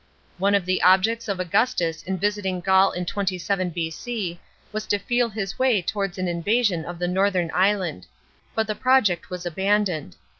One of the objects of Augustus in visiting Gaul in 27 B.C. was to feel his way towards an invasion of the northern island ; but the project was abandoned.